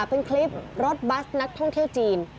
เป็นคลิปรถบัสนักท่องเที่ยวจีน